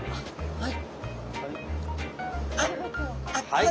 はい。